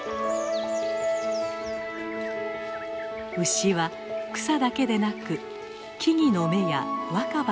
牛は草だけでなく木々の芽や若葉も食べます。